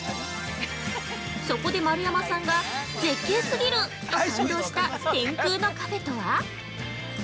そこで丸山さんが絶景過ぎると感動した、天空のカフェとは？